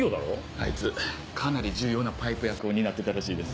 あいつかなり重要なパイプ役を担ってたらしいです。